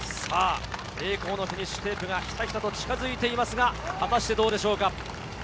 栄光のフィニッシュテープがひたひたと近づいていますがどうでしょうか。